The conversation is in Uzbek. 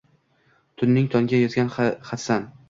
tunning tongga yozgan xatisan.